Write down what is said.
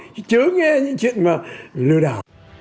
chứ chớ nghe những chuyện mà lưu đảo